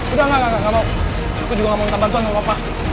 udah enggak enggak mau aku juga enggak mau minta bantuan sama bapak